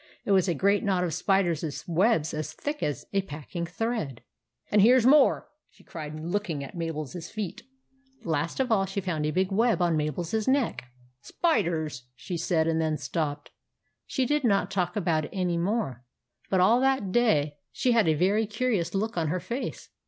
It was a great knot of spiders' webs as thick as a packing thread. " And here 's more !" she cried, looking at Mabel's feet. Last of all she found a big web on Mabel's neck. " Spiders," she said, and then stopped. She did not talk about it any more ; but all that day she had a very curious look on her face.